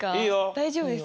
大丈夫ですか？